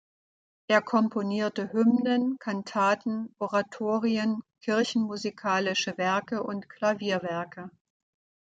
Er komponierte Hymnen, Kantaten, Oratorien, kirchenmusikalische Werke und Klavierwerke.